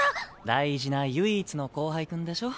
大事な唯一の後輩くんでしょ？